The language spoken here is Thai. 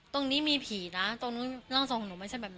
ตรงนี้มีผีนะตรงนู้นร่างทรงของหนูไม่ใช่แบบนั้น